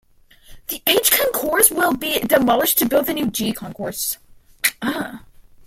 The H concourse will be demolished to build the new "G" concourse.